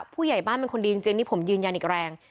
ผู้ใหญ่บ้านเป็นคนดีจริงนี่ผมยืนยันอีกแรง